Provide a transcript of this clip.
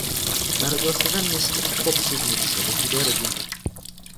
Narodil se ve městě Kopřivnice do chudé rodiny.